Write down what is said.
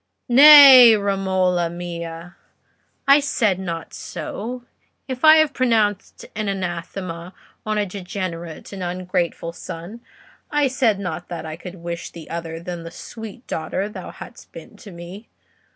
"Nay, Romola mia, I said not so; if I have pronounced an anathema on a degenerate and ungrateful son, I said not that I could wish thee other than the sweet daughter thou hast been to me.